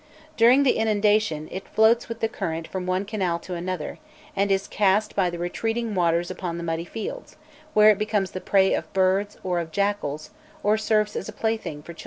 During the inundation, it floats with the current from one canal to another, and is cast by the retreating waters upon the muddy fields, where it becomes the prey of birds or of jackals, or serves as a plaything for children.